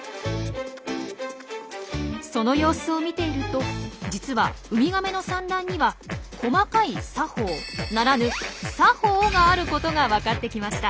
その様子を見ていると実はウミガメの産卵には細かい作法ならぬ「砂法」があることがわかってきました。